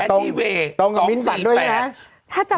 ตรงมิ้นฝันด้วยไหม